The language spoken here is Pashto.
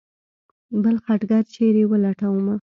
بل خټګر چېرې ولټومه.